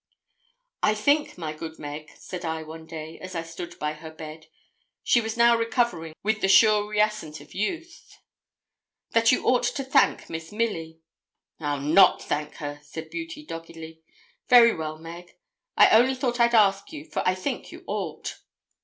'I think, my good Meg,' said I one day, as I stood by her bed she was now recovering with the sure reascent of youth 'that you ought to thank Miss Milly.' 'I'll not thank her,' said Beauty, doggedly. 'Very well, Meg; I only thought I'd ask you, for I think you ought.'